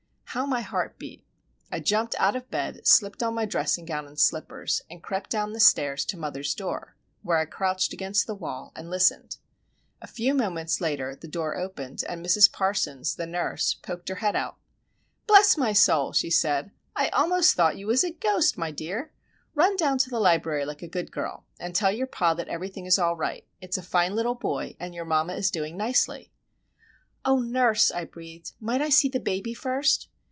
How my heart beat. I jumped out of bed, slipped on my dressing gown and slippers, and crept down the stairs to mother's door, where I crouched against the wall and listened. A few moments later the door opened, and Mrs. Parsons, the nurse, poked her head out. "Bless my soul," she said, "I almost thought you was a ghost, my dear. Run down to the library like a good girl, and tell your pa that everything is all right. It is a fine little boy and your mamma is doing nicely." "Oh, nurse," I breathed, "might I see the baby first?"